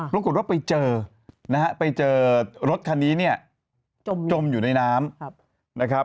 รวมกันรถไปเจอรถคันนี้จมอยู่ในน้ำ